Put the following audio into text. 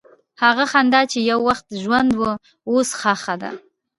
هغه خندا چې یو وخت ژوند وه، اوس ښخ ده.